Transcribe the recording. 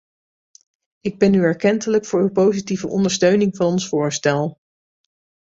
Ik ben u erkentelijk voor uw positieve ondersteuning van ons voorstel.